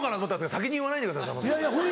先に言わないでくださいさんまさん。